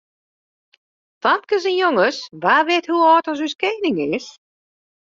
Famkes en jonges, wa wit hoe âld as ús koaning is?